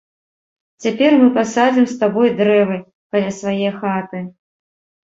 Цяпер мы пасадзім з табой дрэвы каля свае хаты!